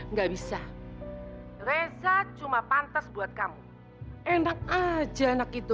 nggak bisa reza cuma pantas buat kamu enak aja anak itu